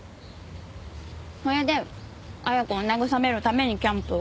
それで恵子を慰めるためにキャンプを。